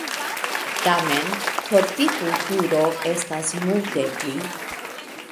Tamen, "hortikulturo" estas multe pli.